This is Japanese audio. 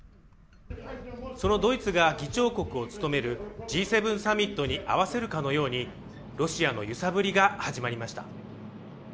そのドイツが議長国を務めるＧ７サミットに合わせるかのようにロシアの揺さぶりが始まりました